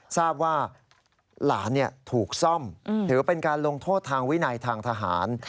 ทราบว่าหลานถูกซ่อมถือเป็นการลงโทษทางวินัยทางทหาร